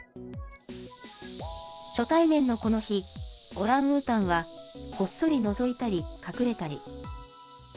初対面のこの日、オランウータンはこっそりのぞいたり、隠れたり。